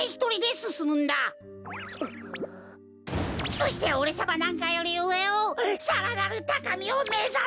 そしておれさまなんかよりうえをさらなるたかみをめざせってか！